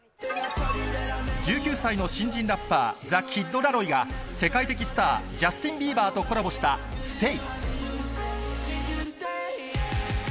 １９歳の新人ラッパー、ザ・キッド・ラロイが世界的スター、ジャスティン・ビーバーとコラボしたステイ。